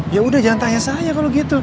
ya udah jangan tanya saya kalau gitu